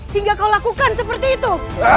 hingga kau lakukan seperti itu